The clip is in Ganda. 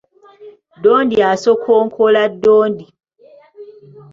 Ddondi asokonkola ddondi.